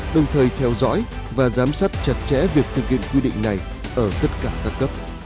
đồng thời theo dõi và giám sát chặt chẽ việc thực hiện quy định này ở tất cả các cấp